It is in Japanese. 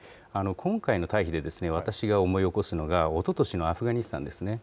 今回の退避で、私が思い起こすのが、おととしのアフガニスタンですね。